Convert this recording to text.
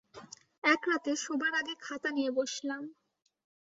এক রাতে শোবার আগে খাতা নিয়ে বসলাম।